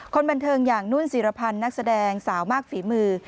คนบันเทิงอย่างนุ่นศิรพันธ์นักแสดงสาวมากฝีมือ